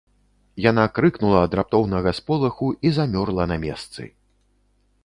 Яна крыкнула ад раптоўнага сполаху і замёрла на месцы.